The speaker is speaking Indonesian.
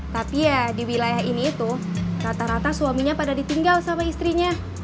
tapi ya di wilayah ini itu rata rata suaminya pada ditinggal sama istrinya